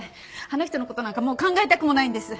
あの人の事なんかもう考えたくもないんです。